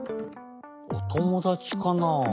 おともだちかな？